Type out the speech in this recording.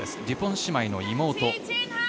デュポン姉妹の妹。